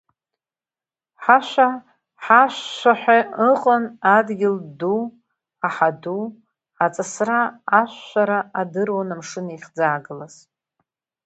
Ҳашәа, Ҳашәшәа ҳәа ыҟан, адгьыл ду, аҳа ду, аҵысра ашәшәара адыруан амшын иахьӡаагылаз.